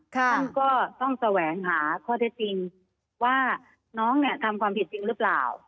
ท่านก็ต้องแสวงหาข้อเท็จจริงว่าน้องเนี่ยทำความผิดจริงหรือเปล่า